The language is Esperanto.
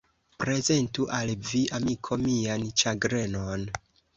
Prezentu al vi, amiko, mian ĉagrenon!